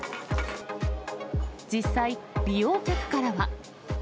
実際、利用客からは。